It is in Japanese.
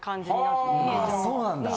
あそうなんだ。